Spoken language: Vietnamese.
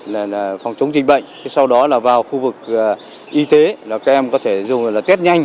là phòng chống tình bệnh sau đó là vào khu vực y tế là các em có thể dùng là test nhanh